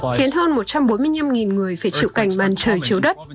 khiến hơn một trăm bốn mươi năm người phải chịu cảnh màn trời chiếu đất